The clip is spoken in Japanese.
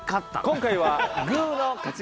今回はグーの勝ち。